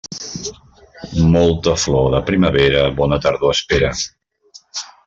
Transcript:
Molta flor de primavera, bona tardor espera.